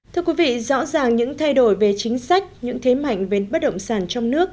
thưa quý vị rõ ràng những thay đổi về chính sách những thế mạnh về bất động sản trong nước